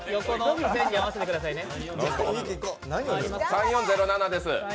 ３４０７です。